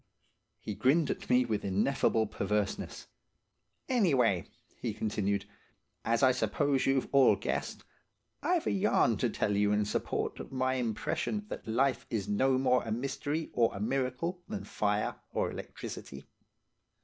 He grinned at me with ineffable perverseness. "Anyway," he continued, "as I suppose you've all guessed, I've a yarn to tell you in support of my impression that life is no more a mystery or a miracle than fire or electricity.